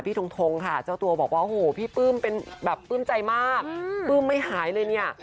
ปื้มใจมากปื้มไม่หายเลยเนี่ย